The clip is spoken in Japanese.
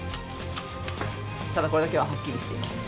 ただこれだけははっきりしています。